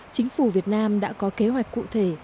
chính phủ việt nam đã có kế hoạch cụ thể